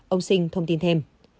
ông sinh thông tin thêm